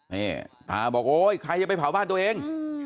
นี่ตาบอกโอ๊ยใครจะไปเผาบ้านตัวเอง